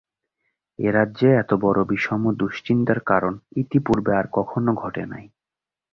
এ রাজ্যে এতবড়ো বিষম দুশ্চিন্তার কারণ ইতিপূর্বে আর কখনো ঘটে নাই।